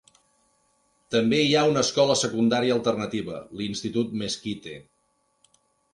També hi ha una escola secundària alternativa, l'institut Mesquite.